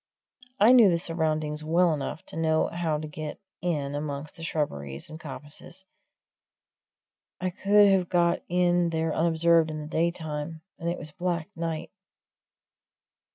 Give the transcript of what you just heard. I knew the surroundings well enough to know how to get in amongst the shrubberies and coppices I could have got in there unobserved in the daytime, and it was now black night.